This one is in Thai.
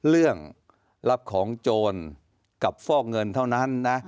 เรื่องรับของโจรกับฟอกเงินเท่านั้นนะ